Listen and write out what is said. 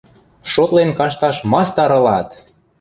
Шотлен кашташ мастар ылат!..